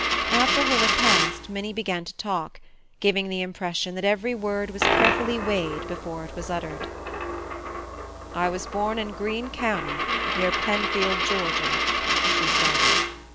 After her repast, Minnie began to talk, giving the impression that every word was carefully weighed before it was uttered. "I was born in Greene County near Penfield, Georgia," she said.